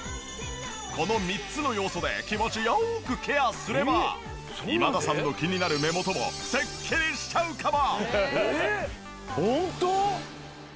この３つの要素で気持ち良くケアすれば今田さんの気になる目元もスッキリしちゃうかも！？